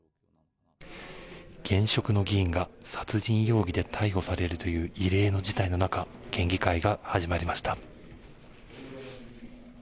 現職の議員が殺人容疑で逮捕されるという異例の事態の中県議会が始まりました。